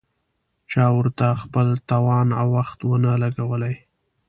چا ورته خپل توان او وخت ونه لګولې.